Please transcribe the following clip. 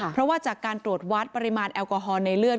เพราะว่าจากการตรวจวัดปริมาณแอลกอฮอลในเลือด